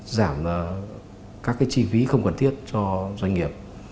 giảm các chi phí không cần thiết cho doanh nghiệp